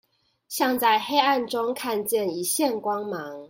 像在黑暗中看見一線光芒